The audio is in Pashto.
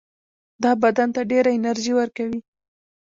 دا بدن ته ډېره انرژي ورکوي.